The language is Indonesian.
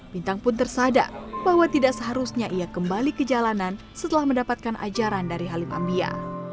bintang pun tersadar bahwa tidak seharusnya ia kembali ke jalanan setelah mendapatkan ajaran dari halim ambia